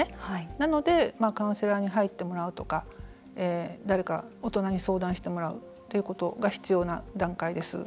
なのでカウンセラーに入ってもらうとか誰か、大人に相談してもらうということが必要な段階です。